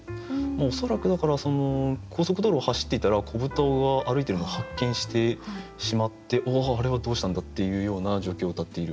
恐らくだから高速道路を走っていたら小豚が歩いてるのを発見してしまって「おおあれはどうしたんだ」っていうような状況をうたっている。